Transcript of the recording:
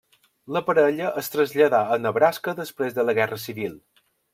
La parella es traslladà a Nebraska després de la Guerra Civil.